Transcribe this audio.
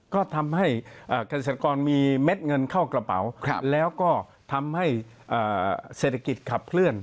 ก็ทำให้เกษตรกรมีเม็ดเงินเข้ากระเป๋าแล้วก็ทำให้เศรษฐกิจขับเคลื่อน